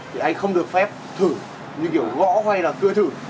thì anh không được phép thử như kiểu gõ hay là cưa thử